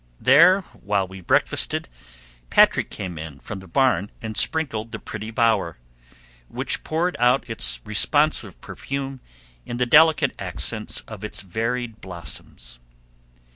There, while we breakfasted, Patrick came in from the barn and sprinkled the pretty bower, which poured out its responsive perfume in the delicate accents of its varied blossoms.